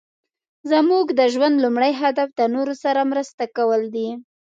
زموږ د ژوند لومړی هدف د نورو سره مرسته کول دي.